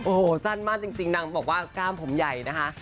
โอ้โหสั้นมากจริงนางบอกว่ากล้ามผมใหญ่นะคะ